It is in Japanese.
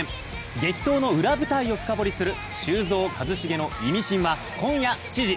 激闘の裏舞台を深掘りする「修造＆一茂のイミシン」は今夜７時。